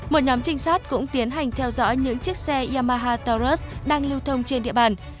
một nhóm trinh sát cũng tiến hành theo dõi những chiếc xe yamahaws đang lưu thông trên địa bàn